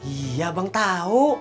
iya bang tau